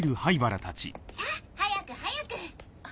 さぁ早く早く！